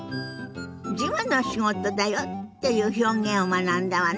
「事務の仕事だよ」っていう表現を学んだわね。